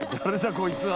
こいつは。